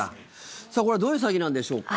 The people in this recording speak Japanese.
さあ、これはどういう詐欺なんでしょうか。